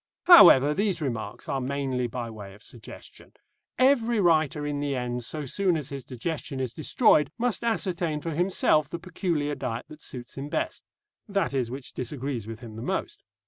However, these remarks are mainly by way of suggestion. Every writer in the end, so soon as his digestion is destroyed, must ascertain for himself the peculiar diet that suits him best that is, which disagrees with him the most.